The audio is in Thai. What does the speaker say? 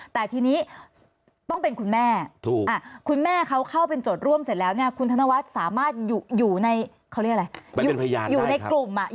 แต่ทีนี้ต้องเป็นคุณแม่คุณแม่เขาเข้าเป็นจดร่วมเสร็จแล้วคุณธนวัสสามารถอยู่ในกลุ่ม